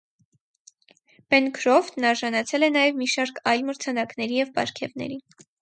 Բենքրոֆթն արժանացել է նաև մի շարք այլ մրցանակների և պարգևների։